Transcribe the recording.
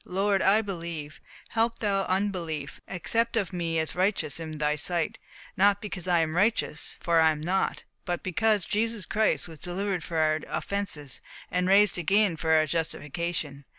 Lord, I believe; help thou my unbelief. Accept of me as righteous in thy sight, not because I am righteous for I am not, but because Jesus Christ was delivered for our offences, and raised again for our justification.